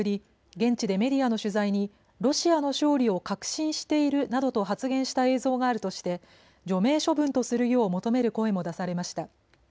現地でメディアの取材にロシアの勝利を確信しているなどと発言した映像があるとして除名処分とするよう求める声も出されました。